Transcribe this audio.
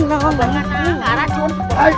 bukan ada yang racun